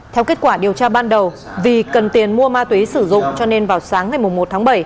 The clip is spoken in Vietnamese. theo kết quả điều tra ban đầu vì cần tiền mua ma túy sử dụng cho nên vào sáng ngày một tháng bảy